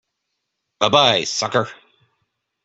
Bye-bye, sucker!